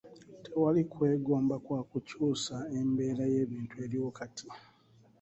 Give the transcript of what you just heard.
Tewali kwegomba kwa kukyuusa embeera y'ebintu eriwo kati.